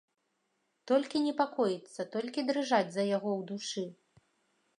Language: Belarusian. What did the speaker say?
Толькі непакоіцца, толькі дрыжаць за яго ў душы.